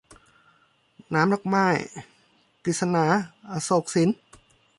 หนามดอกไม้ - กฤษณา อโศกสิน